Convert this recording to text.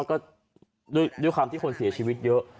ก็ด้วยความที่คนเสียชีวิตเยอะ